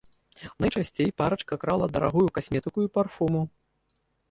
Найчасцей парачка крала дарагую касметыку і парфуму.